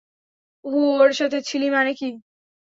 হু ওর সাথে ছিলি মানে কি?